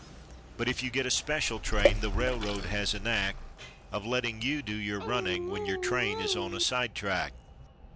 But if you get a special train, the railroad has a knack Of letting you do your running when your train is on a sidetrack.